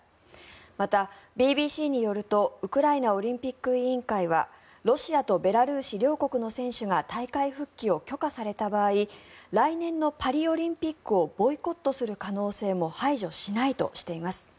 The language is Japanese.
また、ＢＢＣによるとウクライナオリンピック委員会はロシアとベラルーシ両国の選手が大会復帰を許可された場合来年のパリオリンピックをボイコットする可能性も排除しないとしています。